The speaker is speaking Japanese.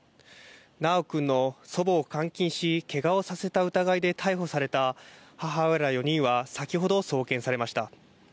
修君の祖母を監禁し、けがをさせた疑いで逮捕された母親ら４人は、先ほど送検されました。